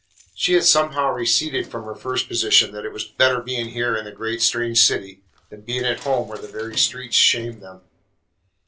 She had somewhat receded from her first position, that it was better being here in the great strange city than being at home where the very streets shamed them.